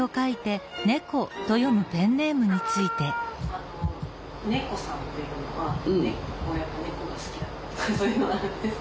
あの眠子さんっていうのはこうやって猫が好きだからとかそういうのがあるんですか？